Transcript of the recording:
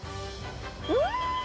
うん！